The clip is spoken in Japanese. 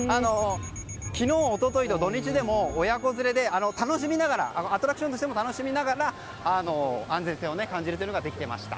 昨日、一昨日と土日でも親子連れでアトラクションとして楽しみながら安全性を感じるということができていました。